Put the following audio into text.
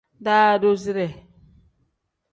Daadoside.